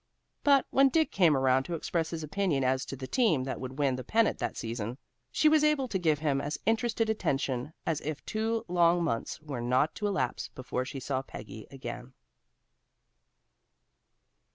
But when Dick came around to express his opinion as to the team that would win the pennant that season, she was able to give him as interested attention as if two long months were not to elapse before she saw Peggy again.